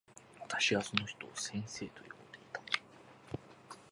私はその人を先生と呼んでいた。